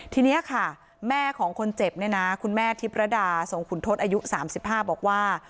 ทีนี้ค่ะแม่ของคนเจ็บเนี่ยนะคุณแม่ทิพรดาสงขุนทศอายุ๓๕บอกว่า